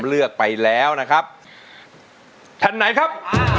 เลือกไปแล้วนะครับแผ่นไหนครับ